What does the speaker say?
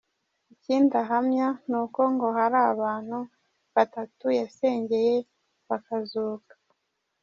Ikindi ahamya ni uko ngo hari abantu batatu yasengeye bakazuka.